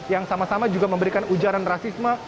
yang sama sama juga memberikan ujaran rasisme